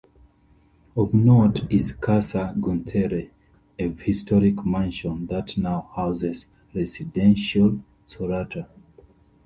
Of note is Casa Gunthere, a historic mansion that now houses the Residencial Sorata.